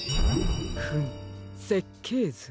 フムせっけいず？